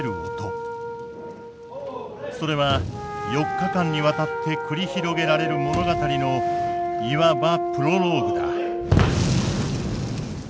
それは４日間にわたって繰り広げられる物語のいわばプロローグだ。